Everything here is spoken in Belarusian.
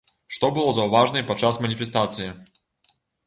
Што было заўважна і падчас маніфестацыі.